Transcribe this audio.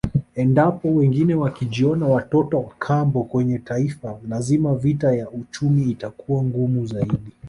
Endapo wengine wakijiona watoto wakambo kwenye Taifa lazima vita ya uchumi itakuwa ngumu zaidi